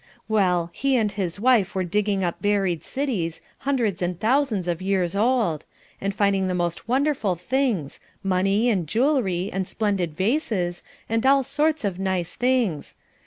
Well, he and his wife are digging up buried cities, hundreds and thousands of years old and finding the most wonderful things, money, and jewellery, and splendid vases, and all sorts of nice things.